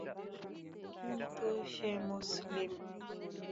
কিন্তু সে মুসলিম।